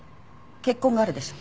血痕があるでしょ。